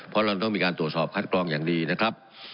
เพราะเราต้องมีการตรวจสอบคัดกรองอย่างดีนะครับ